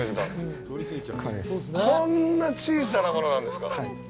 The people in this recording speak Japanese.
こんな小さなものなんですか！？